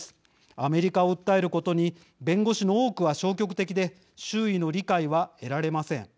アメリカを訴えることに弁護士の多くは消極的で周囲の理解は得られません。